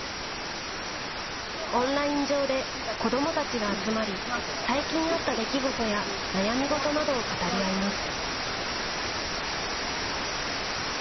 オンライン上で子どもたちが集まり、最近あった出来事や悩み事などを語り合います。